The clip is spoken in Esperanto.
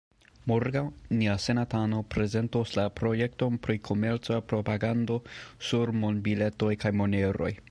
Morgaŭ nia senatano prezentos la projekton pri komerca propagando sur monbiletoj kaj moneroj.